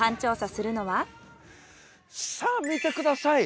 さぁ見てください！